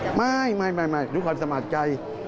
ทำไมวิ่งตามมาด้วยความจับใจ